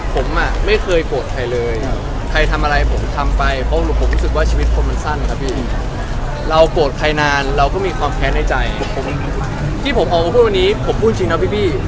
ขอให้เว้นละยะขาห่างให้เรากลับมาเป็นเพื่อนกันได้